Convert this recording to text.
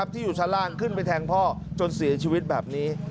ที่อยู่ชั้นล่างขึ้นไปแทงพ่อจนเสียชีวิตแบบนี้